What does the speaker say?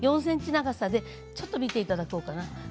４ｃｍ長さでちょっと見ていただこうかな